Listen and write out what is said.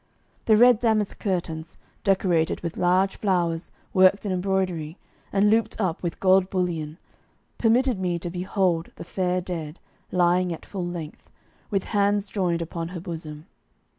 The red damask curtains, decorated with large flowers worked in embroidery and looped up with gold bullion, permitted me to behold the fair dead, lying at full length, with hands joined upon her bosom.